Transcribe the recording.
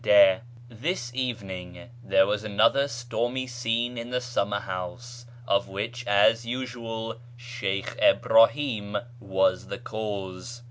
— This evening there was another stormy scene in the summer house, of which, as usual, Sheykh Ibrahim was the cause.